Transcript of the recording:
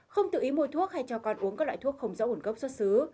không tự ý mua thuốc hay cho con uống các loại thuốc không rõ nguồn gốc xuất xứ